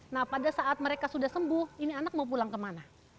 nah pada saat mereka sudah sembuh ini anak mau pulang kemana